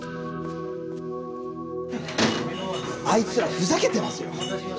あいつらふざけてますよ！